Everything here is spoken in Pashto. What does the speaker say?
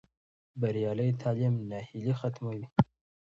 بریالی تعلیم ناهیلي ختموي.